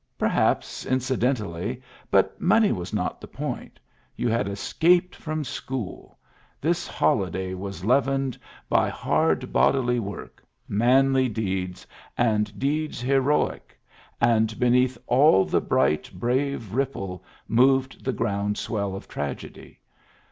Perhaps, incidentally, but money was not the point ; you had escaped from school. This holiday was leavened by hard bodily work, manly deeds, and deeds heroic, and beneath all the bright brave ripple moved the ground swell of tragedy.